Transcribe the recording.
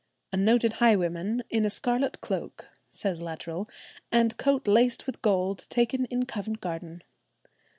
"A noted highwayman in a scarlet cloak," says Luttrell, "and coat laced with gold taken in Covent Garden."